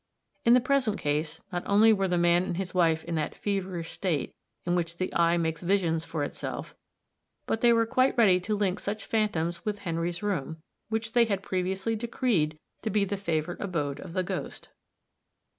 In the present case, not only were the man and his wife in that feverish state in which the eye makes visions for itself, but they were quite ready to link such phantoms with Henry's room, which they had previously decreed to be the favorite abode of the ghost.